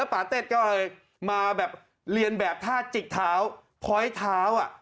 ปะเต็ดก็มาเรียนแบบท่าจิกเท้าพ้อไฟเท้า